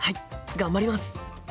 頑張ります。